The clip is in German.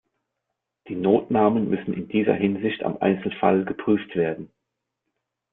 Die Notnamen müssen in dieser Hinsicht am Einzelfall geprüft werden.